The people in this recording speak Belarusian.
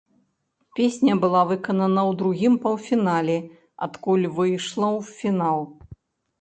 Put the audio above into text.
Песня была выканана ў другім паўфінале, адкуль выйшла ў фінал.